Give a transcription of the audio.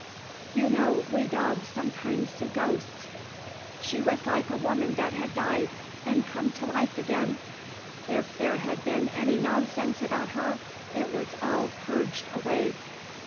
(You know we dogs sometimes see ghosts.) She was like a woman that had died, and come to life again. If there had been any nonsense about her, it was all purged away.